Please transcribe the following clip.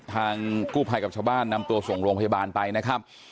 ทางกู้ภัยกับชาวบ้านนำตัวส่งโรงพยาบาลไปนะครับ